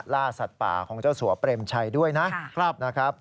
ล่าสัตว์ป่าของเจ้าสัวเปรมชัยด้วยนะครับ